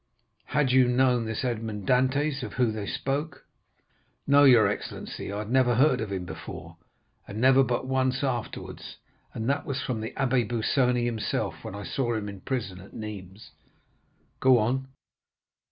Had you known this Edmond Dantès, of whom they spoke?" "No, your excellency, I had never heard of him before, and never but once afterwards, and that was from the Abbé Busoni himself, when I saw him in the prison at Nîmes." "Go on."